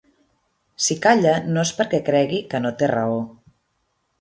Si calla no és perquè cregui que no té raó.